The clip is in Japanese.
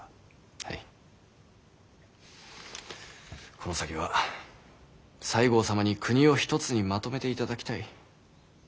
この先は西郷様に国を一つにまとめていただきたい。